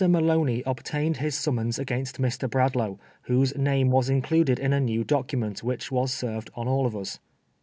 Malonet obtained his snmmons against Mr. Bradlangh, whose name was included in a new docu ment which was served on all of us.